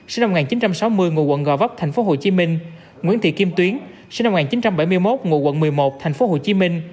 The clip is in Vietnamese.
sinh năm một nghìn chín trăm sáu mươi ngụ quận gò vấp tp hcm nguyễn thị kim tuyến sinh năm một nghìn chín trăm bảy mươi một ngụ quận một mươi một tp hcm